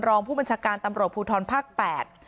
รองผู้บัญชาการตำรวจภูทรภาคแปด